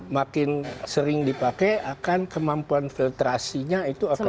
makin sering dipakai akan kemampuan filtrasinya itu akan